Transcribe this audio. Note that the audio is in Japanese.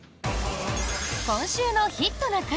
今週の「ヒットな会」。